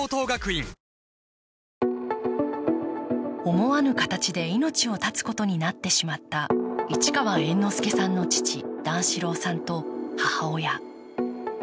思わぬ形で命を絶つことになってしまった市川猿之助さんの父段四郎さんと母親。